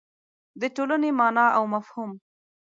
د ټولنې مانا او مفهوم